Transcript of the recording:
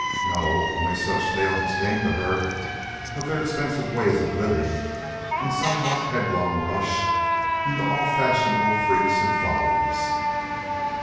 "No; only such tales as came to her of their expensive ways of living and somewhat headlong rush into all fashionable freaks and follies."